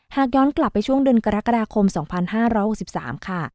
หากย้อนกลับไปช่วงเดือนกรกฎาคม๒๕๖๓ค่ะ